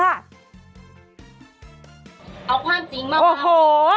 เอาความจริงเมื่อบานโอ้โห